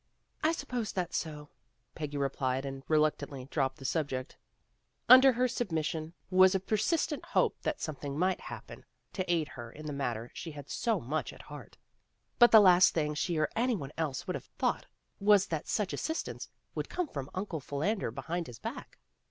"I suppose that's so," Peggy replied, and reluctantly dropped the subject. Under her FRIENDLY TERRACE ORPHANAGE 109 submission was a persistent hope that some thing might happen to aid her in the matter she had so much at heart. But the last thing she or any one else would have thought was that such assistance would come from Uncle Philander Behind His Back.